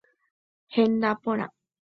Henda porã.